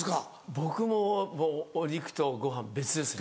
僕もお肉とご飯別ですね。